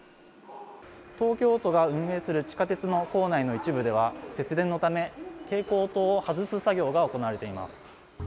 東京都が運営する地下鉄の構内の一部では節電のため蛍光灯を外す作業が行われています。